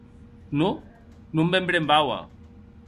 Non, non me'n brembaua.